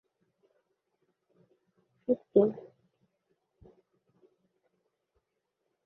তার ফুফাতো ভাই ফেব্রুয়ারি মাসে জন্মগ্রহণ করে।